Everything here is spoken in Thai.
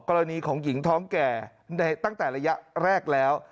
กรณีของหญิงท้องแก่ตั้งแต่ระยะแรกแล้ว